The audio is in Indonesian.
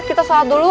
kita sholat dulu